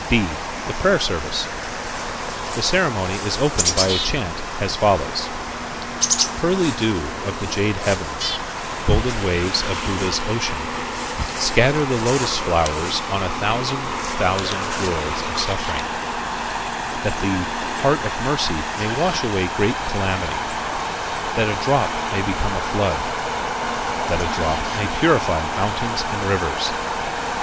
(b) The Prayer Service.—The ceremonial is opened by a chant as follows: "Pearly dew of the jade heavens, golden waves of Buddha's ocean, scatter the lotus flowers on a thousand thousand worlds of suffering, that the heart of mercy may wash away great calamity, that a drop may become a flood, that a drop may purify mountains and rivers.